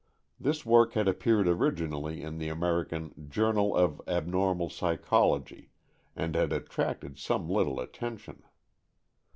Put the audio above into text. This work had appeared originally in the American Jotirnal of Abnormal Psychology , and had attracted some little attention.